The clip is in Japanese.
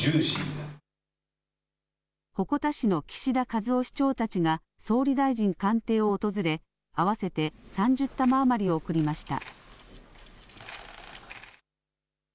鉾田市の岸田一夫市長たちが総理大臣官邸を訪れ合わせて３０玉余りを贈りました。